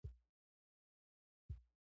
د سهار مرغۍ ډېرې خوشاله وې.